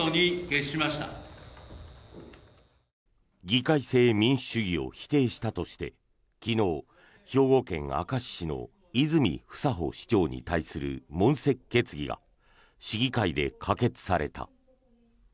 議会制民主主義を否定したとして昨日、兵庫県明石市の泉房穂市長に対する問責決議が市議会で可決された。